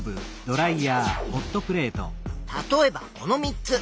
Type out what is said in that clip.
例えばこの３つ。